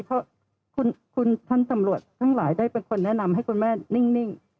เพราะคุณท่านตำรวจทั้งหลายได้เป็นคนแนะนำให้คุณแม่นิ่ง